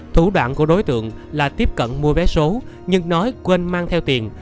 thủ đoạn của đối tượng là tiếp cận mua vé số nhưng nói quên mang theo tiền